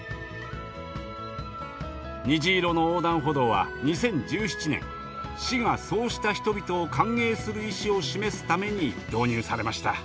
虹色の横断歩道は２０１７年市がそうした人々を歓迎する意志を示すために導入されました。